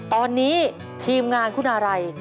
ตอนนี้ทีมงานคุณาลัย